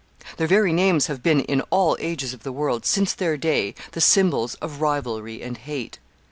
Their very names have been, in all ages of the world, since their day, the symbols of rivalry and hate.